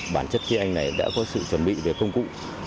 bản chất khi anh này đã có sự chuẩn bị về công cụ